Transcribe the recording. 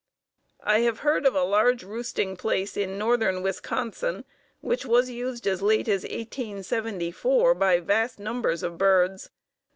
I have heard of a large roosting place in northern Wisconsin which was used as late as 1874 by vast numbers of birds.